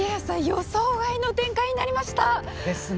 予想外の展開になりました！ですね！